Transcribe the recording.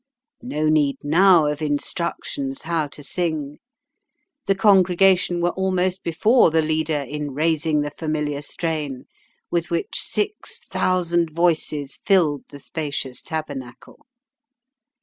'" No need now of instructions how to sing. The congregation were almost before the leader in raising the familiar strain, with which six thousand voices filled the spacious Tabernacle.